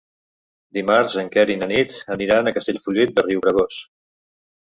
Dimarts en Quer i na Nit aniran a Castellfollit de Riubregós.